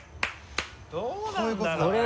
どうなんだろうね？